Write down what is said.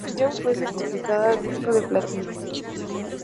La canción fue certificada disco de platino.